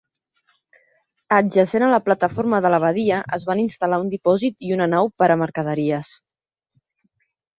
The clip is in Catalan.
Adjacent a la plataforma de la badia es van instal·lar un dipòsit i una nau per a mercaderies.